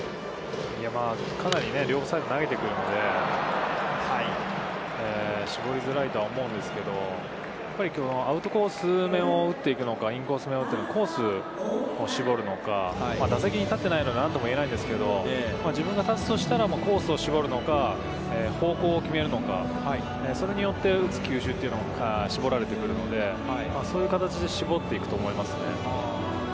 かなり両サイド投げてくるので、絞りづらいと思うんですけど、きょうはアウトコースめを打っていくのか、インコースめを打ってくるのか、コースを絞るのか、打席に立ってないので、何とも言えないんですけど、自分が立つとしたら、コースを絞るのか、方向を決めるのか、それによって打つ球種は絞られてくるので、そういう形で絞っていくと思いますね。